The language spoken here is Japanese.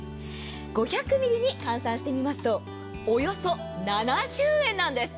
５００ミリリットルに換算してみますとおよそ７０円なんです。